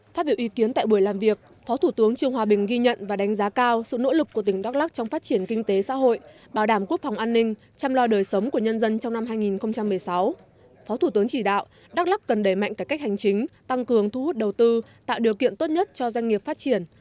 phát biểu ý kiến tại buổi làm việc phó thủ tướng trương hòa bình ghi nhận và đánh giá cao sự nỗ lực của tỉnh đắk lắc trong phát triển kinh tế xã hội bảo đảm quốc phòng an ninh chăm lo đời sống của nhân dân trong năm hai nghìn một mươi sáu